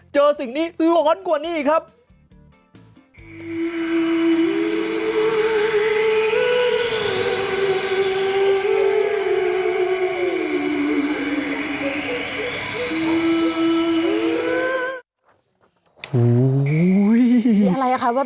สิ่งนี้ร้อนกว่านี้อีกครับ